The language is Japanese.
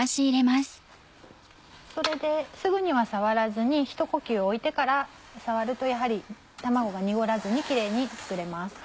それですぐには触らずにひと呼吸置いてから触るとやはり卵が濁らずにキレイに作れます。